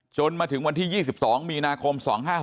จนถึงวันที่๒๒มีนาคม๒๕๖๖